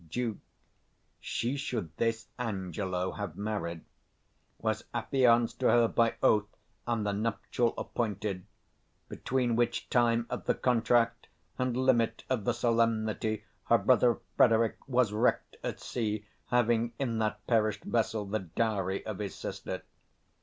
Duke. She should this Angelo have married; was affianced to her by oath, and the nuptial appointed: between 205 which time of the contract and limit of the solemnity, her brother Frederick was wrecked at sea, having in that perished vessel the dowry of his sister.